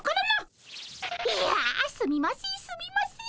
いやすみませんすみません。